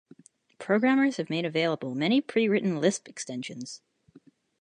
Programmers have made available many pre-written Lisp extensions.